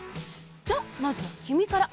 じゃあまずはきみから！